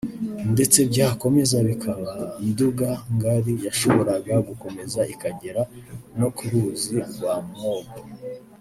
ndetse byakomeza bikaba Nduga-Ngari yashoboraga gukomeza ikagera no ku ruzi rwa Mwogo